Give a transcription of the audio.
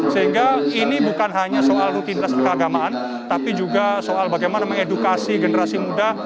sehingga ini bukan hanya soal rutinitas keagamaan tapi juga soal bagaimana mengedukasi generasi muda